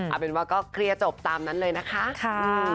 เอาเป็นว่าก็เคลียร์จบตามนั้นเลยนะคะ